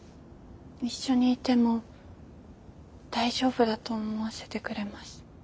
一緒にいても大丈夫だと思わせてくれます。